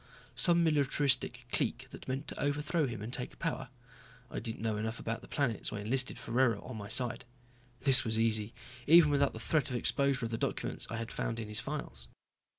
Some militaristic clique that meant to overthrow him and take power? I didn't know enough about the planet, so I enlisted Ferraro on my side. This was easy even without the threat of exposure of the documents I had found in his files.